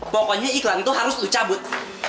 pokoknya iklan itu harus lu cabut